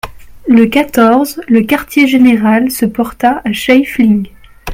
Le quatorze, le quartier-général se porta à Scheifling.